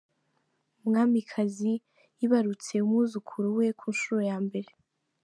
UmwamikaziYibarutse umwuzukuru we Kunshuro Yambere